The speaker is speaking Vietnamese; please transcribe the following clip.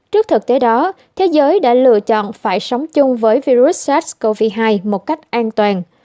trước thực tế đó thế giới đã lựa chọn phải sống chung với virus sars cov hai một cách an toàn